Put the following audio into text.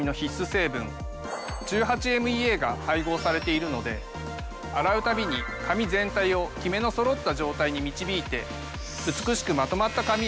成分１８−ＭＥＡが配合されているので洗うたびに髪全体をキメのそろった状態に導いて。